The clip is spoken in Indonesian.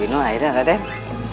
dan ini adalah hidanganmu